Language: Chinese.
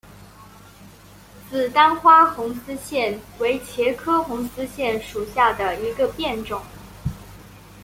紫单花红丝线为茄科红丝线属下的一个变种。